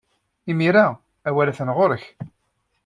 Imir-a, awal atan ɣer-k.